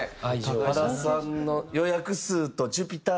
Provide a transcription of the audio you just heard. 原さんの予約数と。